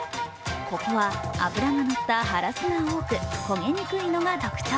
ここは脂がのったハラスが多く焦げにくいのが特徴。